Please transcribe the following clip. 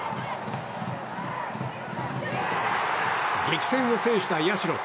激戦を制した社。